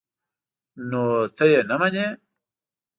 _نو ته يې نه منې؟